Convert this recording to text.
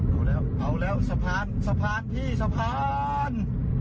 เอาแล้วเอาแล้วสะพานสะพานพี่สะพาน